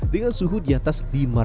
dengan suhu di atas lima meter